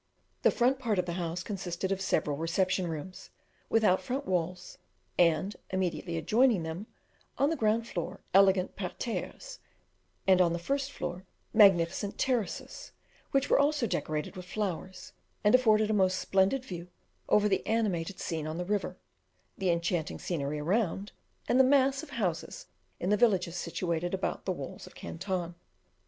The front part of the house consisted of several reception rooms, without front walls, and immediately adjoining them, on the ground floor, elegant parterres; and on the first floor magnificent terraces, which were also decorated with flowers, and afforded a most splendid view over the animated scene on the river, the enchanting scenery around, and the mass of houses in the villages situated about the walls of Canton.